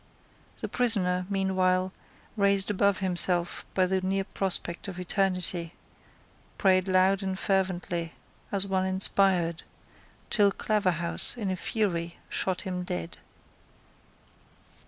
The prisoner, meanwhile, raised above himself by the near prospect of eternity, prayed loud and fervently as one inspired, till Claverhouse, in a fury, shot him dead.